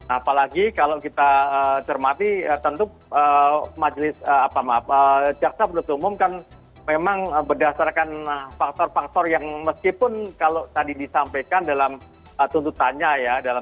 apalagi kalau kita cermati tentu majelis apa maaf jaksa penutup umum kan memang berdasarkan faktor faktor yang meskipun kalau tadi disampaikan dalam tuntutannya ya